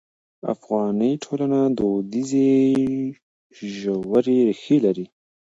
افغاني ټولنه دودیزې ژورې ریښې لري.